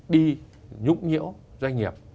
đi nhũng nhũ doanh nghiệp